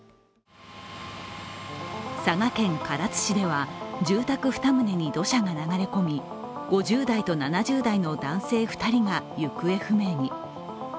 佐賀県唐津市では住宅２棟に土砂が流れ込み、５０代と７０代の男性２人が行方不明に。